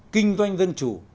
kinh doanh dân chủ